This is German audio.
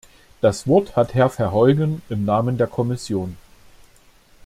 Das Wort hat Herr Verheugen im Namen der Kommission.